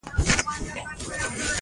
پاس مې ور وکتل، ده بیا قلم را نه واخست.